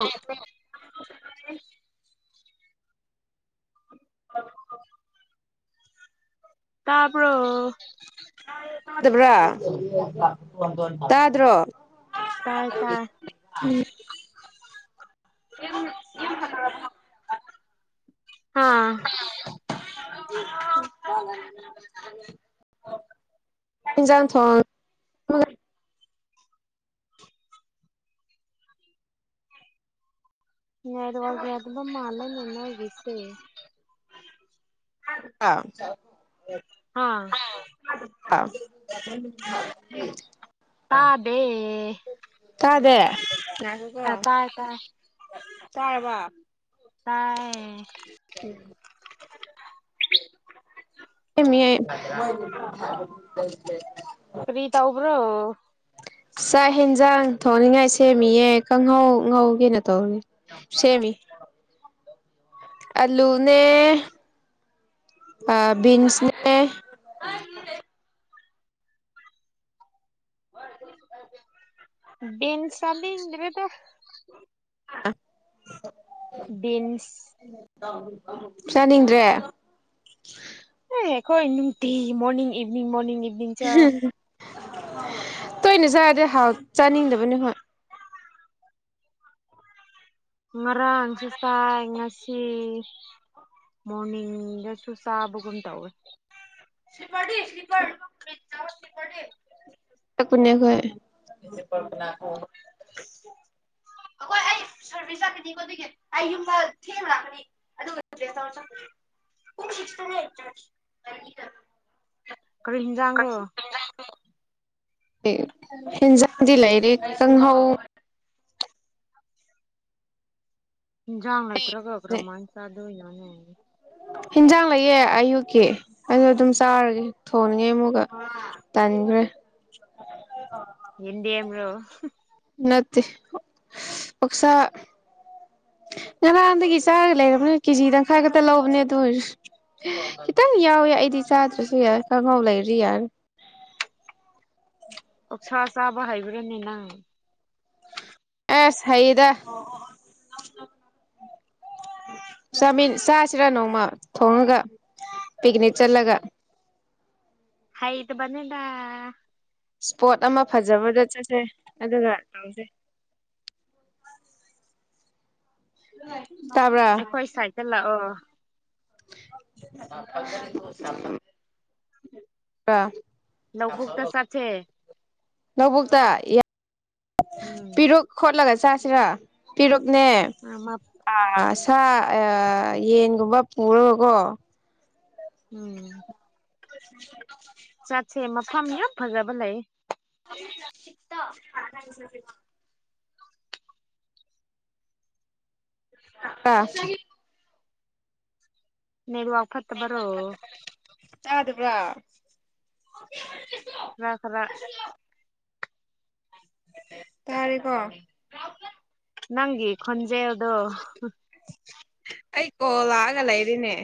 ꯑꯧ ꯑꯗ ꯍ ꯇ ꯕ꯭ꯔꯥ ꯇ꯭ꯔꯣ ꯇꯥꯏ ꯇꯥꯏ [unintelligible] ꯌꯦ ꯌꯦꯟ ꯐꯜꯕ ꯍꯥꯥ ꯍꯖꯥꯡ ꯊꯣꯡ ꯌꯥꯏꯔ ꯋꯥꯦ ꯑꯗꯨꯕ ꯃꯥꯂꯟꯅꯣ ꯁꯦ ꯑ ꯑꯥ ꯍ ꯇꯗꯦ ꯇꯥꯗꯦ ꯉ ꯀꯣ ꯇꯥꯏ ꯇꯥꯔꯔꯕ ꯇꯥꯏ ꯎꯝ ꯑꯦꯃꯤ ꯄꯔꯤꯇꯥ ꯑꯣꯕ꯭ꯔꯣ ꯆꯥꯛ ꯌꯦꯟꯁꯥꯡ ꯊꯣꯡꯅꯤꯡꯉꯥꯏ ꯁꯦꯝꯃꯤꯌꯦ ꯀꯥꯡꯪꯍꯧ ꯉꯍꯧꯒꯦꯅꯣ ꯇꯧꯅꯤꯅꯦ ꯁꯦꯃꯤ ꯑꯂꯨꯅꯦ ꯑ ꯟꯁꯅꯦ ꯍꯔ ꯀꯔꯤꯁꯨꯥꯏ ꯗꯦꯟꯁꯗꯤꯗ꯭ꯔꯦꯗ ꯑ ꯕꯤꯤꯟꯁ ꯆꯥꯅꯤꯡꯗ꯭ꯔꯦ ꯀꯣ ꯏꯅꯤꯡ ꯇꯤ ꯃꯣꯔꯅꯤꯡ ꯏꯚꯅꯤꯡ ꯃꯣꯔꯅꯤꯡ ꯏꯚꯅꯤꯡ ꯆ ꯇꯣꯏꯅ ꯆꯥꯔꯗꯤꯦ ꯍꯥꯎ ꯆꯥꯅꯤꯡꯗꯕꯅꯤ ꯍꯣꯏ ꯃꯔꯥꯡꯁꯨ ꯇꯥꯏ ꯉꯁꯤ ꯃꯣꯔꯅꯤꯡꯗꯁꯨ ꯆꯥꯕꯒꯨꯝ ꯇꯧꯋꯦ ꯁꯤꯄꯥꯀꯄ ꯀꯨꯅ ꯀ ꯑꯩꯈꯣꯏ ꯑꯩ ꯁꯔꯚꯤꯁ ꯆꯥꯛꯀꯅꯤꯀꯣ ꯑꯗꯨꯒꯤ ꯑꯩ ꯌꯨꯝꯗ ꯊꯦꯡꯕ ꯂꯥꯛꯀꯅꯤ ꯑꯗꯨꯒ ꯔꯤꯄ꯭ꯂꯦꯁ ꯇꯧꯔ ꯆ ꯈꯤꯀꯅ ꯀꯔꯤ ꯍꯤꯟꯖꯥꯡꯔꯣ ꯀꯁꯤ ꯍꯖꯗꯤ ꯂꯩꯔꯦ ꯀꯪ ꯍꯥꯎ ꯏꯟꯁꯥꯡ ꯅꯦ ꯂꯩꯇ꯭ꯔꯒ ꯕꯤꯟꯁꯅꯦ ꯀꯔꯃꯅ ꯆꯥꯗꯣꯏꯅꯣꯅꯦ ꯍꯤꯟꯖꯥꯡ ꯂꯩꯌꯦꯦ ꯑꯌꯨꯛꯀꯤ ꯑꯩꯅꯣ ꯑꯗꯨꯝ ꯆꯥꯔꯒꯦ ꯊꯣꯡꯅꯤꯡꯉꯩ ꯑꯃꯨꯛꯀ ꯇꯥꯅꯤꯡꯉꯦ ꯑ [unintelligible] ꯏꯟꯗꯤꯌꯥ꯭ꯔꯣ ꯅꯠꯇꯦ ꯑꯣꯁꯥ ꯉꯔꯥꯡꯗꯒꯤ ꯆꯥꯔꯒ ꯂꯩꯔꯕꯅꯦ ꯀꯦꯖꯤ ꯇꯪꯈꯥꯏꯥ ꯈꯛꯇ ꯂꯧꯕꯅꯦ ꯑꯗꯨ ꯑꯣꯏꯔꯁꯨ ꯈꯤꯇꯪ ꯌꯥꯎꯋꯦ ꯑꯩꯗꯤ ꯆꯥꯗ꯭ꯔꯁꯨ ꯌꯥꯏ ꯀꯥꯡꯉꯧ ꯂꯩꯔꯤ ꯌꯥꯔ [unintelligible] ꯑꯣꯛꯁꯥ ꯆꯥꯕ ꯍꯩꯕ꯭ꯔꯥꯅꯤꯅꯪ ꯑꯦ ꯁꯍꯤꯗ [unintelligible] ꯆꯥꯃꯤꯟ ꯆꯥꯁꯤꯔꯥ ꯅꯣꯡꯃ ꯊꯣꯡꯉꯒ ꯄꯤꯛꯅꯤꯛ ꯆꯠꯂꯒ ꯍꯣꯏꯠ ꯅꯤꯗ ꯏꯁꯄꯣꯠ ꯑꯃ ꯐꯖꯕꯗ ꯆꯠꯁꯦ ꯑꯗꯨꯒ ꯇꯧꯁꯩ [unintelligible] ꯎ ꯑꯩꯈꯣꯏ ꯁꯥꯏꯗꯠꯇ ꯂꯥꯛꯑꯣ ꯑ ꯂꯧꯕꯕꯨꯛ ꯇ ꯆꯦ ꯂꯧꯕꯨꯛꯇ ꯎꯝ ꯄꯤꯔꯨꯛ ꯈꯣꯠꯂꯒ ꯆꯥꯁꯤꯔꯥ ꯄꯤꯔꯛ ꯅꯦ ꯑ ꯁꯥ ꯌꯦꯟꯒꯨꯝꯕ ꯄꯨꯔꯒꯀꯣ ꯎꯝ ꯎꯝ ꯆꯠꯁꯦ ꯃꯐꯝ ꯌꯥꯝ ꯐꯖꯕ ꯂꯩ [unintelligible] ꯑꯥ ꯅꯗꯨ ꯋꯥ ꯐꯠꯇꯕꯔꯣ ꯌꯥ ꯑꯗꯨꯕ꯭ꯔꯥ ꯈꯔ ꯈꯔ ꯇꯥꯔꯦꯀꯣ ꯅꯪꯤ ꯈꯣꯟꯟꯖꯦ ꯑꯗꯨꯣ ꯑꯩ ꯀꯣ ꯂꯥꯛꯑꯒ ꯂꯩꯔꯤꯅꯦ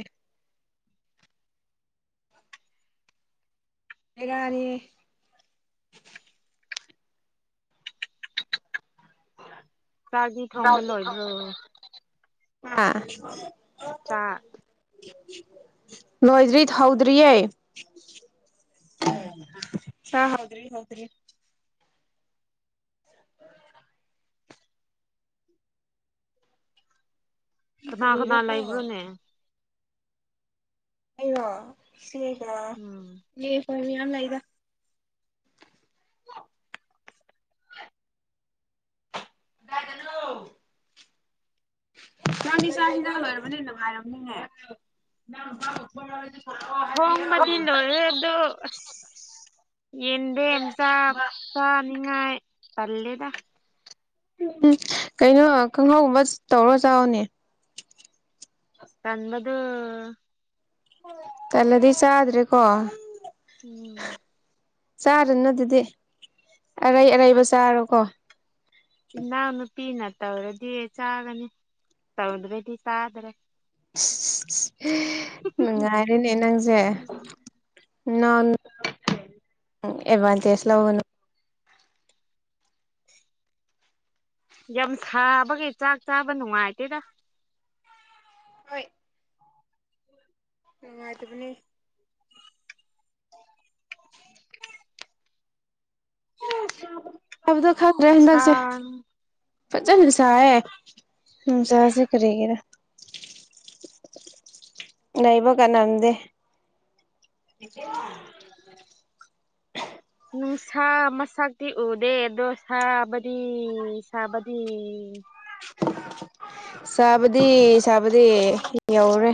ꯃꯒꯅꯤꯌꯦ ꯆꯥꯛꯗꯤ ꯊꯣꯡꯕ ꯂꯣꯏꯕ꯭ꯔꯣ ꯑꯥ ꯆꯥ ꯅꯣꯏꯗ꯭ꯔꯤ ꯊꯧꯗ꯭ꯔꯤꯑꯩ ꯍ ꯍꯥꯎꯗ꯭ꯔꯤ ꯍꯥꯎꯗ꯭ꯔꯤ [inaudible] ꯀꯅꯥ ꯀꯅꯥ ꯀꯔꯤꯔꯀꯣ ꯂꯩꯕ꯭ꯔꯣꯅꯦ ꯑꯩꯔꯣ ꯑꯩꯗ ꯁꯤꯒ ꯎꯝ ꯑꯩ ꯃꯤ ꯑꯅ ꯂꯗ [inaudible] ꯅꯪ ꯏꯁꯆꯥ ꯍꯤꯗꯥꯛ ꯂꯔꯕꯅꯤꯅ ꯅꯨꯡꯉꯥꯏꯔꯝꯅꯤꯉ ꯊꯣꯡꯕꯗꯤ ꯂꯣꯏꯔꯦ ꯑꯗꯣ ꯑꯁ ꯌꯦꯗꯦꯝꯁꯥꯥ ꯅꯤꯡꯉ ꯇꯂꯦꯗ ꯎꯝ ꯎꯝ ꯀꯩꯅꯣ ꯀꯥꯡꯍꯧꯒꯨꯝꯕ ꯇꯧꯔꯣ ꯆꯥꯎꯥꯛꯅꯦ ꯇꯝꯕꯗꯨ ꯀꯂꯗꯁ ꯑꯗꯨ꯭ꯔꯦ ꯀꯣ ꯎꯝ ꯆꯥꯔꯅ ꯑꯗꯨꯗꯤ ꯑꯔꯩ ꯑꯔꯩꯕ ꯆꯥꯔꯣꯀꯣ ꯏꯅꯥꯎ ꯅꯨꯄꯤꯅ ꯇꯧꯔꯗꯤ ꯆꯥꯒꯅꯤ ꯇꯧꯗ꯭ꯔꯗꯤ ꯆꯥꯗ꯭ꯔꯦ ꯅꯨꯡꯉꯥꯏꯔꯦꯅꯦ ꯅꯪꯁꯦ ꯎꯝ ꯅ ꯑꯦꯚꯟꯁꯁ ꯂꯒꯅ ꯌꯥꯝ ꯁꯥꯕꯈꯩ ꯆꯥꯛ ꯆꯥꯕ ꯅꯨꯡꯉꯥꯏꯇꯦꯗ ꯍꯣꯏ ꯉꯅꯨꯡꯉꯗꯨꯕꯅꯤ ꯑꯕꯗ ꯈꯔ꯭ꯔꯦ ꯁꯥ ꯍꯟꯗꯁꯦ ꯐꯖꯁꯥꯦ ꯃꯁꯥꯥꯁꯦ ꯀꯔꯤꯒꯦꯔ ꯅꯩꯕ ꯀꯥꯟꯅꯝꯗꯦ [inaudible] ꯅꯨꯡꯁꯥ ꯃꯁꯛꯇꯤ ꯎꯗꯦ ꯑꯗꯣ ꯁꯥꯕꯗꯤ ꯁꯥꯕꯗꯤ ꯆꯕꯗꯤ ꯁꯥꯕꯗꯤ ꯌꯧꯔꯦ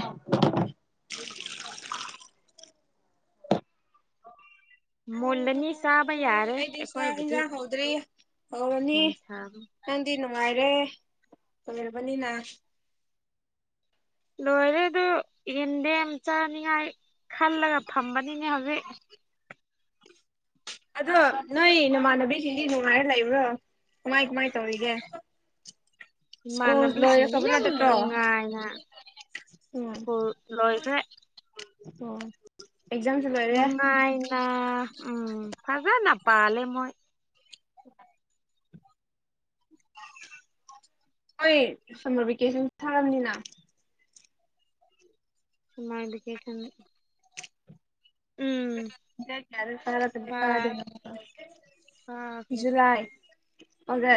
[inaudible] ꯑꯣ ꯍ ꯃꯨꯜꯂꯅꯤ ꯆꯥꯕ ꯍ ꯌꯥꯔꯦ ꯑꯩꯗꯤꯁ ꯑꯩꯈꯣꯏꯕꯨꯗꯤ ꯍꯟꯖꯥꯡ ꯍ ꯍꯧꯗ꯭ꯔꯤ ꯍꯅꯤ ꯌꯥꯝ ꯁꯥꯕ ꯅꯗꯅꯣ ꯅꯨꯡꯉꯥꯏꯔꯦ ꯐꯔꯕꯅꯤꯅ ꯂꯣꯏꯔꯦ ꯑꯗꯨ ꯌꯦꯟꯗꯦꯝ ꯆꯥꯅꯤꯉꯥꯏ ꯈꯜꯂꯒ ꯐꯝꯕꯅꯤꯅꯦ ꯍꯧꯖꯤꯛ ꯑꯗꯣ ꯅꯣꯏ ꯅꯃꯥꯟꯅꯕꯤꯁꯤꯡꯗꯤ ꯅꯨꯡꯉꯥꯏꯔ ꯂꯩꯕ꯭ꯔꯣ ꯀꯃꯥꯏ ꯀꯃꯥꯏ ꯇꯧꯒ ꯏꯃꯥꯟꯅꯕꯤꯁꯤꯡꯗꯤ ꯌꯥꯝ ꯅꯨꯡꯉꯥꯏꯅ ꯀ ꯂꯣꯏꯈꯦ ꯑꯣ ꯅꯨꯡꯉꯥꯏꯅ ꯎꯝ ꯐꯖꯥꯅ ꯄꯂꯦ ꯃꯣꯏ ꯎ ꯍꯣꯏ ꯁꯝꯃꯔ ꯚꯦꯀꯦꯁꯟ ꯊꯥꯔꯝꯅꯤꯅ ꯁꯃꯗꯨ ꯀꯦꯁꯟ ꯌꯥꯔ ꯇꯔ ꯀꯥꯗꯅ ꯍꯦ ꯑꯣꯗ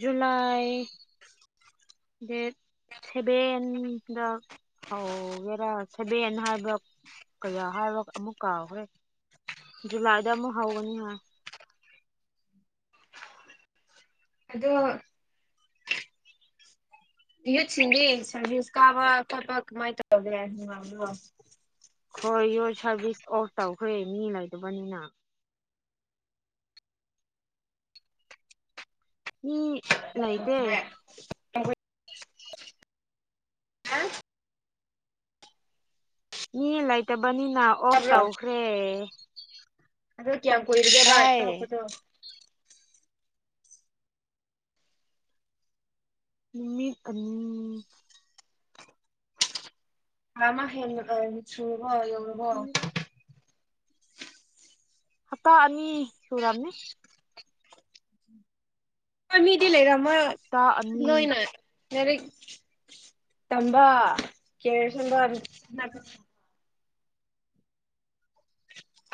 ꯖꯨꯂꯥꯏ ꯗꯦꯠ ꯁꯚꯦꯟ ꯍꯥꯎꯒꯦꯔꯥ ꯁꯕꯅ ꯍꯥꯏꯕ ꯀꯌꯥ ꯍꯥꯏꯔ ꯑꯃꯨꯛ ꯀꯥꯎꯈ꯭ꯔꯦ ꯖꯨꯂꯥꯏꯗ ꯑꯃꯨꯛ ꯍꯧꯒꯅꯤ ꯍꯥꯏ [inaudible] ꯑꯗ ꯍꯁꯤꯗꯤꯁꯀꯥꯕ ꯀꯄ ꯃꯥꯏ ꯇ ꯍꯈꯣꯏ ꯃꯤ ꯂꯩꯗꯕꯅꯤꯅ ꯃꯤ ꯂꯩꯇꯦ [unintelligible] ꯃꯤ ꯂꯩꯇꯕꯅꯤꯅ ꯑꯣꯐ ꯇꯧꯈ꯭ꯔꯦ ꯑꯗ ꯀ ꯌꯥꯝ ꯀꯣꯏꯔꯗꯦꯕ ꯑꯠꯇ ꯇꯥꯏ ꯍꯈꯗꯣ ꯅꯨꯃꯤ ꯑꯝ ꯑꯃ ꯍꯦꯔꯕꯣꯧꯕꯣ ꯍꯞꯇꯥ ꯑꯅꯤ ꯁꯨꯨꯔꯝꯅꯦ ꯃꯤꯗꯤ ꯂꯩꯦꯔꯃꯣꯏ ꯍꯞꯇꯥ ꯑꯅꯤ ꯂꯣꯏꯅ ꯃꯔꯤ ꯇꯝꯕꯥ ꯀꯦ ꯁꯝꯕ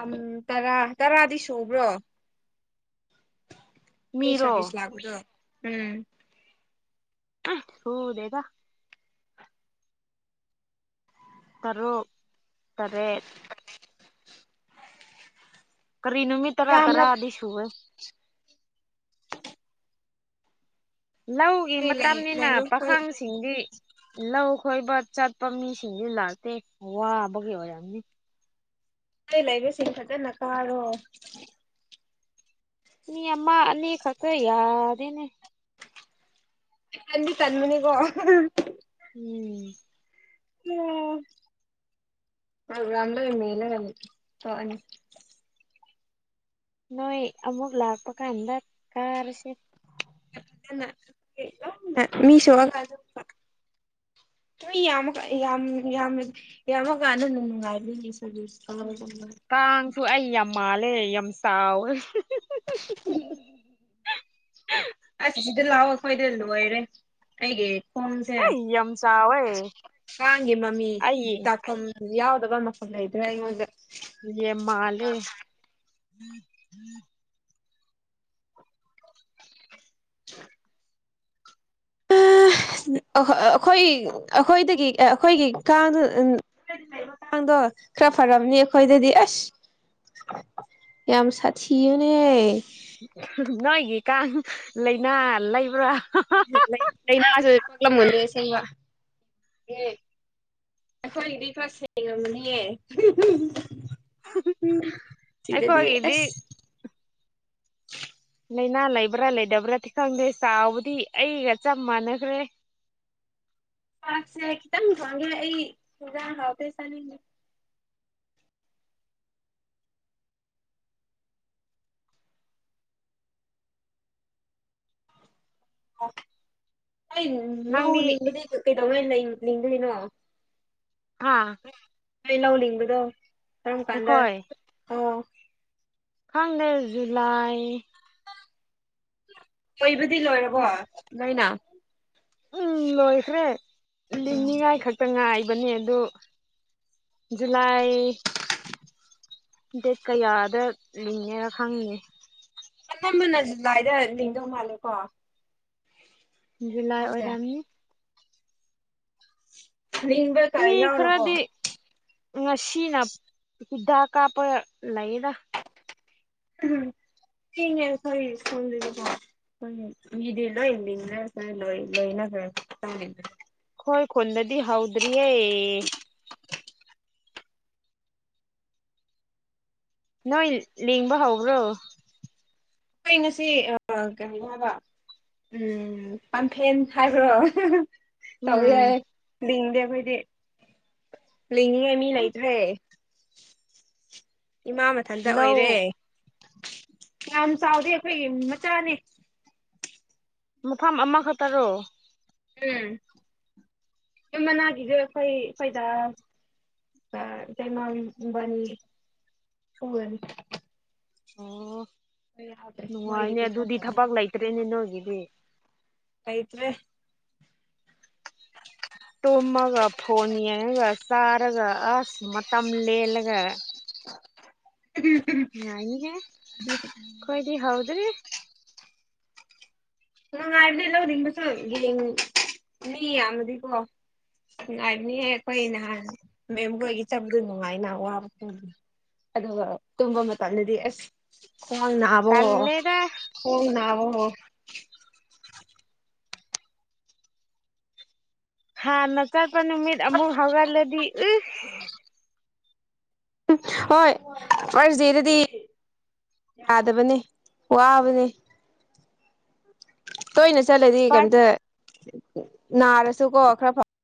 ꯝ ꯇꯔꯥ ꯇꯔꯥꯗꯤ ꯁꯨꯕ꯭ꯔꯣ ꯃꯤ ꯃꯤꯔꯣ ꯆꯕꯤꯤꯁ ꯂꯒꯗꯣ ꯎꯝ ꯍꯥ [unintelligible] ꯇꯔꯨꯛ ꯇꯔꯦꯠ ꯀꯔꯤ ꯅꯨꯃꯤꯠ ꯇꯔꯥ ꯌꯥꯝꯂ ꯇꯔꯥꯗꯤ ꯁꯨꯕꯦ ꯂꯧꯒꯤ ꯂꯩ ꯃꯇꯝꯅꯤꯅ ꯂꯩꯕ ꯈꯣꯏ ꯄꯥꯈꯪꯁꯤꯡꯗꯤ ꯂꯧ ꯀꯣꯏꯕꯥ ꯆꯠꯄ ꯃꯤꯁꯤꯡꯗꯤ ꯂꯥꯛꯇꯦ ꯋꯥꯕꯒꯤ ꯑꯣꯏꯔꯝꯅꯤ ꯀꯂꯩꯕ ꯁꯤꯊꯒ ꯅꯅꯥ ꯀꯥꯔꯣ ꯃꯤ ꯑꯃ ꯑꯅꯤ ꯈꯁꯨ ꯌꯥꯗꯦꯅꯦ ꯀꯗꯤ ꯇꯟꯃꯅꯤꯒꯣ ꯎꯝ ꯎꯝ ꯄꯒ꯭ꯔꯥꯝꯂ ꯀꯃꯦꯂ ꯀꯅꯤ ꯇꯅꯤ ꯅꯣꯏ ꯑꯃꯨꯛ ꯂꯥꯛꯄ ꯀꯥꯟꯗ ꯀꯥꯔꯁꯦ ꯃꯤ ꯁꯤꯒꯖ ꯌꯥꯝ ꯌꯥꯝ ꯌꯥꯝ ꯌꯥꯝꯃ ꯀꯥꯟꯅꯅꯨꯡ ꯅꯨꯡꯉꯥꯏ ꯀꯥꯡꯁꯨ ꯑꯩ ꯌꯥꯝ ꯃꯥꯜꯂꯦ ꯌꯥꯝ ꯆꯥꯎꯋꯦ ꯎꯝ ꯑꯥꯁ ꯁꯤꯗ ꯂꯥꯛꯑꯣ ꯑꯩ ꯈꯈꯣꯏꯗ ꯂꯣꯏꯔꯦ ꯑꯩꯒꯤ ꯐꯣꯝꯁꯦ ꯑꯩ ꯌꯥꯝ ꯆꯥꯎꯋꯦ ꯑꯉꯥꯡꯒꯤ ꯃꯃꯤ ꯑꯩ ꯗꯥꯛꯀꯝ ꯌꯥꯕꯗꯒ ꯃ ꯐꯂꯗ꯭ꯔꯦ ꯏꯉꯣꯟꯗ ꯌꯦ ꯃꯥꯂꯦ [inaudible] [unintelligible] ꯑꯩꯈꯣꯏ ꯑꯩꯈꯣꯏꯗꯒꯤ ꯑꯩꯈꯣꯏꯒꯤ ꯀꯥꯡ ꯀꯥꯡꯗꯣ ꯈꯔ ꯐꯝꯅꯤ ꯑꯩꯈꯣꯏꯗꯗꯤ ꯑꯥꯁ ꯌꯥꯝ ꯁꯥꯊꯤꯌꯅꯦ ꯅꯣꯏꯒꯤ ꯀꯥꯡ ꯂꯩꯥꯏꯅꯥ ꯂꯩꯕ꯭ꯔꯥ ꯂꯩꯥꯏꯅꯥꯁꯨ ꯀꯥꯛꯂꯝꯒꯣꯅꯦꯁꯕ ꯑꯦ ꯑꯩꯈꯣꯏꯒꯤꯗꯤꯄꯥ ꯁꯦꯡꯉꯝꯅꯤꯍ ꯎꯝ ꯊꯗꯗꯤ ꯑꯩꯈꯣꯏꯒꯤꯗꯤ ꯑꯦꯁ ꯂꯥꯏꯅꯥ ꯂꯩꯕ꯭ꯔꯥ ꯂꯩꯇꯕ꯭ꯔꯥꯗꯤ ꯈꯪꯗꯦ ꯆꯥꯎꯕꯗꯤ ꯑꯩꯒ ꯆꯞ ꯃꯥꯟꯅꯈ꯭ꯔꯦ [unintelligible] ꯄꯁꯦꯈꯤꯇꯪ ꯊꯣꯡꯒꯦ ꯑꯩ ꯊ ꯍꯥꯥꯎ ꯄꯩꯁꯥ ꯗꯤ ꯅꯪꯗꯤ ꯀꯦ ꯑꯗꯨꯅ ꯑꯥ ꯅꯣꯏ ꯂꯧ ꯂꯤꯡꯕꯗꯣ ꯀꯔꯝ ꯀꯥꯟꯗ ꯑ ꯐꯪꯗꯦꯁ ꯖꯨꯂꯥꯏ ꯀꯣꯏꯕꯗꯤ ꯂꯣꯏꯔꯕꯣ ꯅꯣꯏꯅ ꯎꯝ ꯂꯣꯏꯈ꯭ꯔꯦ ꯂꯤꯡꯅꯤꯉꯥꯏ ꯈꯛꯇ ꯉꯥꯏ ꯅꯤ ꯑꯗꯨ ꯖꯨꯂꯥꯏ ꯗꯦꯠ ꯀꯌꯥꯗ ꯂꯤꯡꯉꯦꯔ ꯈꯪꯉꯦ ꯑꯊꯝꯕꯅ ꯖꯨꯂꯥꯏꯗ ꯂꯤꯡꯗꯧ ꯃꯥꯜꯂꯦ ꯀꯣ ꯖꯨꯂꯥꯏ ꯑꯣꯏꯔꯃꯤ ꯂꯤꯡꯕ ꯀ ꯃꯤ ꯌꯥꯎꯔꯕꯣ ꯈꯔꯗꯤ ꯉꯁꯤꯅ ꯍꯤꯗꯥꯛ ꯀꯥꯄ ꯂꯩꯗ ꯑꯝ ꯁꯤꯉ ꯐꯗꯤ ꯂꯣ ꯏ ꯂ ꯏꯩꯅ ꯍ ꯆꯪꯗ ꯍꯣꯏ ꯈꯨꯟꯗꯗꯤ ꯍꯥꯎꯗꯔꯤꯑ ꯅꯣꯏ ꯂꯦꯡꯕ ꯍꯧꯕ꯭ꯔꯣ ꯑꯩꯈꯣꯏ ꯉꯁꯤ ꯀꯔꯤ ꯍꯥꯏꯕ ꯎꯝ ꯄꯥꯟꯐꯦꯟ ꯁꯥꯈ꯭ꯔꯣ ꯇꯧ ꯌꯥ ꯎꯝ ꯂꯗꯦ ꯐꯗꯤ ꯂꯤꯡꯉꯤꯉꯦ ꯃꯤ ꯂꯩꯇ꯭ꯔꯦ ꯏꯃꯥ ꯃꯊꯟꯇ ꯂꯧ ꯑꯣꯏꯔꯦ ꯌꯥꯝꯌꯥꯝ ꯆꯥꯎꯗꯦ ꯑꯩꯈꯣꯏ ꯃꯆꯥꯅꯤ ꯃꯐꯝ ꯑꯃꯈꯛꯇꯔꯣ ꯎꯝ ꯌꯥꯝꯃꯅꯒꯒ ꯐꯩ ꯐꯩꯗ ꯑ ꯀꯃꯕꯥꯅꯤ ꯁꯨꯒꯅꯤ ꯑꯣ ꯃꯣꯏꯒꯤ ꯅꯨꯡꯉꯥꯏꯅꯦ ꯑꯗꯨꯗꯤ ꯄꯤꯊꯣꯛꯈ꯭ꯔꯅꯤ ꯊꯕꯛ ꯂꯩꯇ꯭ꯔꯦꯅꯦ ꯅꯣꯏꯒꯤꯗꯤ ꯀꯩꯇ꯭ꯔꯦ ꯒ ꯁꯔꯒ ꯑꯁ ꯃ ꯃꯇꯝ ꯂꯦꯂꯒ ꯑ ꯉ ꯏꯒꯦ ꯀꯣꯏꯗ ꯍꯥꯎꯗ꯭ꯔꯔꯤ ꯅꯨꯡꯉꯥꯏꯕꯅꯤ ꯂꯧꯅꯤꯡꯕꯁꯨ ꯌꯦꯡꯅꯤ ꯌꯥꯝꯃꯗꯤꯀꯣ ꯉꯅꯨꯡꯉꯥꯏꯅꯤꯍ ꯑꯩꯈꯣꯏ ꯅꯍꯥꯟ ꯃꯦꯝꯕꯣꯏꯒꯤ ꯆꯠꯗꯣꯏ ꯅꯨꯡꯉꯥꯏꯅꯍ ꯋꯥꯕ ꯑꯗ ꯋꯥ ꯇꯨꯝꯝꯕ ꯃꯥꯟꯂꯗꯤ ꯑꯦꯁ ꯐꯣꯟꯅꯕꯣ ꯇꯜꯂꯦꯗ ꯐꯣꯟꯅꯕꯣ ꯍꯥ ꯅꯆꯔꯄ ꯅꯨꯃꯤꯠ ꯑꯃꯃꯨꯛ ꯍꯋꯥꯒꯥꯂ ꯎ ꯎ ꯍꯣꯏ ꯐꯥꯔꯁ ꯗꯦꯗꯗꯤ ꯌꯥꯗꯕꯅꯦ ꯋꯥꯕꯅꯦ ꯇꯣꯏꯅ ꯆꯠꯂꯗꯤ ꯎꯄꯥꯏ ꯀꯩꯝꯇ ꯅꯥꯔꯁꯨꯀꯣ ꯈꯔ